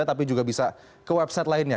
tapi juga bisa ke website lainnya